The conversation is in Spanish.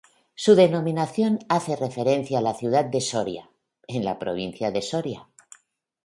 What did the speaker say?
Su denominación hace referencia a la ciudad de Soria, en la provincia de Soria.